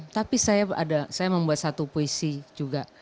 tapi saya ada saya membuat satu puisi juga